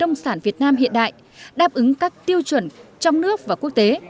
nông sản việt nam hiện đại đáp ứng các tiêu chuẩn trong nước và quốc tế